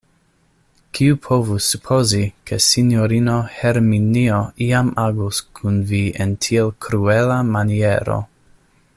Kiu povus supozi, ke sinjorino Herminio iam agos kun vi en tiel kruela maniero!